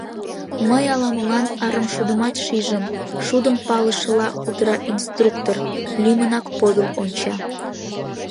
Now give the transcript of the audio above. — Мый ала-молан арымшудымат шижым, — шудым палышыла кутыра инструктор, лӱмынак подыл онча.